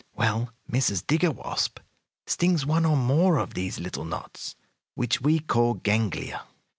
Well, Mrs. Digger Wasp stings one or more of these little knots, which we call ganglia.